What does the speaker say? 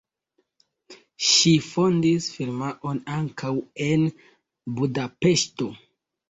Ŝi fondis firmaon ankaŭ en Budapeŝto.